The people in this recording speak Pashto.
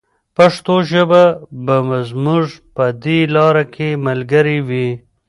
پښتو ژبه به زموږ په دې لاره کې ملګرې وي.